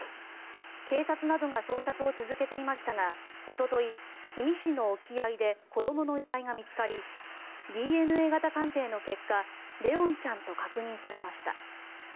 警察などが捜索を続けていましたがおととい、氷見市の沖合で子どもの遺体が見つかりＤＮＡ型鑑定の結果怜音ちゃんと確認されました。